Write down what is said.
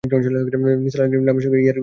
নিসার আলির নামের সঙ্গে ইরার পরিচয় আছে।